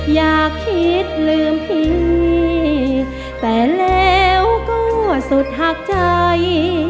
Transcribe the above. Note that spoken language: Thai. อยากคิดลืมพี่แต่แล้วก็สุดหักใจ